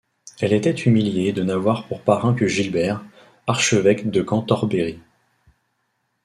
Elle était humiliée de n’avoir pour parrain que Gilbert, archevêque de Cantorbéry.